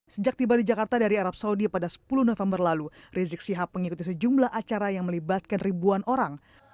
sejak tiba di jakarta dari arab saudi pada sepuluh november lalu rizik sihab mengikuti sejumlah acara yang melibatkan ribuan orang